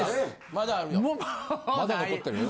まだあるよ。